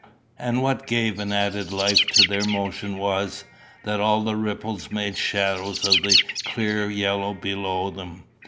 And what gave an added life to their motion was, that all the ripples made shadows on the clear yellow below them.